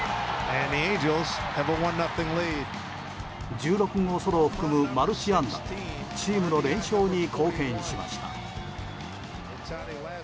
１６号ソロを含むマルチ安打でチームの連勝に貢献しました。